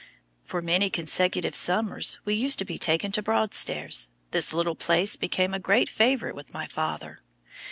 For many consecutive summers we used to be taken to Broadstairs. This little place became a great favorite with my father.